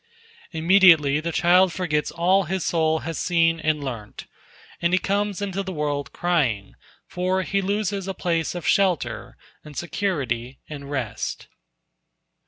Immediately the child forgets all his soul has seen and learnt, and he comes into the world crying, for he loses a place of shelter and security and rest.